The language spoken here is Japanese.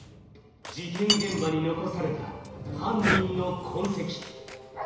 事件現場に残された犯人の痕跡。